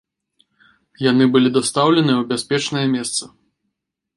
Яны былі дастаўленыя ў бяспечнае месца.